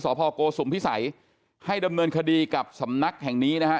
สพสุมภิษัยให้ดำเนินคดีกับสำนักแห่งนี้นะ